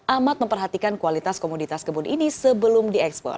amat memperhatikan kualitas komoditas kebun ini sebelum diekspor